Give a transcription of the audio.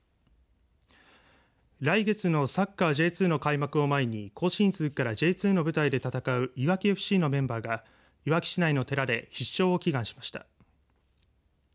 来月のサッカーＪ２の開幕を前に今シーズンからＪ２の舞台で戦ういわきＦＣのメンバーがいわき市内の寺で必勝祈願しました。